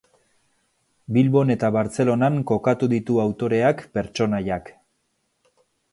Bilbon eta Bartzelonan kokatu ditu autoreak pertsonaiak.